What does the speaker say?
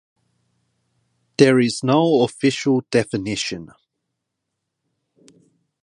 There is no official definition.